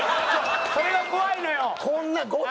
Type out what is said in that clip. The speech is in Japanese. それが怖いのよ。